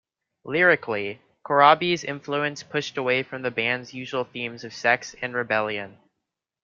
Lyrically, Corabi's influence pushed away from the band's usual themes of sex and rebellion.